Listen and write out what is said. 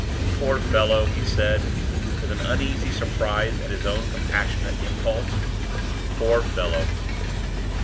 "Poor fellow!" he said, with an uneasy surprise at his own compassionate impulse. "Poor fellow!"